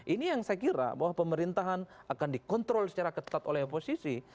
ini yang saya kira bahwa pemerintahan akan dikontrol secara ketat oleh oposisi